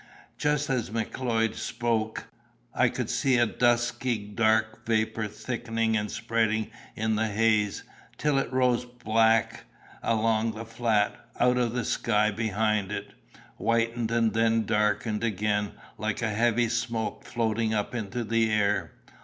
Just as Macleod spoke, I could see a dusky dark vapor thickening and spreading in the haze, till it rose black along the flat, out of the sky behind it; whitened and then darkened again, like a heavy smoke floating up into the air.